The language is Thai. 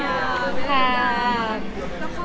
เธอได้มีคำถามทายขึ้นไปว่า